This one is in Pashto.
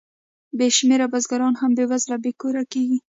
بې شمېره بزګران هم بېوزله او بې کوره کېږي